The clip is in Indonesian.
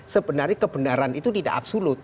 sebenarnya kebenaran itu tidak absolut